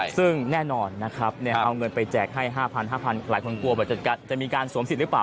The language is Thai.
ซึ่งแน่นอนนะครับเอาเงินไปแจกให้๕๐๐๕๐๐หลายคนกลัวจะมีการสวมสิทธิหรือเปล่า